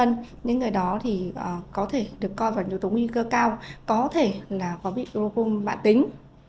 những người đó thì có thể được coi vào yếu tố nguy cơ cao có thể là có bị rung mạng tính